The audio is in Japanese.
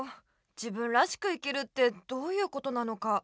自分らしく生きるってどういうことなのか。